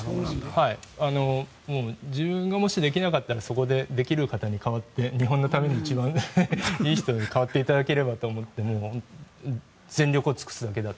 自分がもし、できなかったらそこでできる方に代わって日本のために一番いい人に代わっていただければと思って全力を尽くすだけだと。